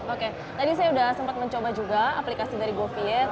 oke tadi saya sudah sempat mencoba juga aplikasi dari goviet